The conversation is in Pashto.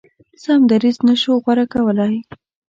سم دریځ نه شو غوره کولای.